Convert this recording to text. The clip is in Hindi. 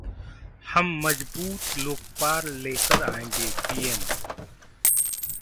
हम मजबूत लोकपाल लेकर आएंगे: पीएम